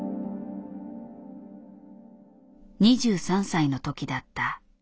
２３歳の時だった。